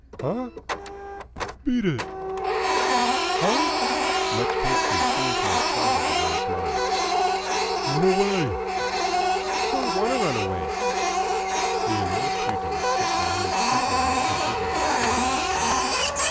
"Huh?" "Beat it!" "Huh?" Much pastry seemed to have clouded the boy's mind. "Run away." "Don't want to run away." The annoyed pugilist sat down and scrutinised his visitor critically.